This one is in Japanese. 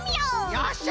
よっしゃ！